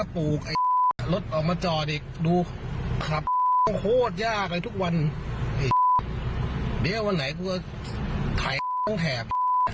ปรับเซียนไหม